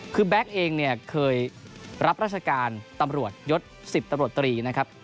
คือแบ๊กเองเคยรับราชการตำรวจยศ๑๐ตำรวจตรี